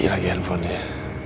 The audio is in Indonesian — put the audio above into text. mati lagi handphonenya